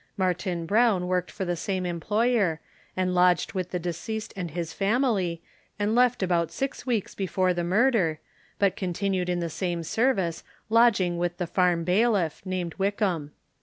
Martin Brown worked for the same employer, and lodged with the deceased and his family, and left about six weeks before the murder, but continued in the same service, lodging with the farm bailiff, named Wickham.